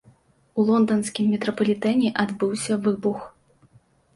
У лонданскім метрапалітэне адбыўся выбух.